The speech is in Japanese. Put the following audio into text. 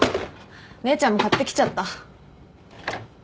姉ちゃんも買ってきちゃった。